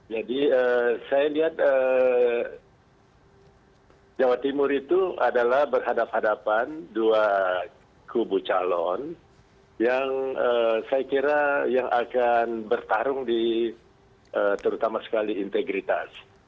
jadi saya lihat jawa timur itu adalah berhadapan hadapan dua kubu calon yang saya kira yang akan bertarung di terutama sekali integritas